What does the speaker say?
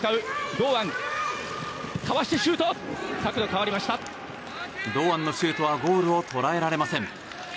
堂安のシュートはゴールを捉えられません。